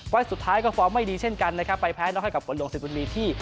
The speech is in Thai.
สุดท้ายก็ฟอร์มไม่ดีเช่นกันนะครับไปแพ้น็อกให้กับฝนหลวงสิทบุญมีที่